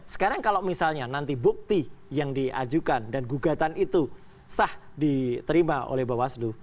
sekarang kalau misalnya nanti bukti yang diajukan dan gugatan itu sah diterima oleh bawaslu